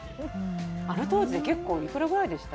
あの当時で結構いくらぐらいでした？